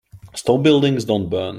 Stone buildings don't burn.